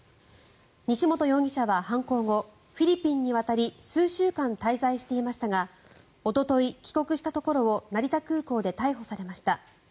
西本容疑者は犯行後フィリピンに渡り数週間滞在していましたがおととい、帰国したところを成田空港で逮捕されました。